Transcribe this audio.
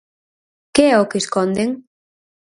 ¿Que é o que esconden?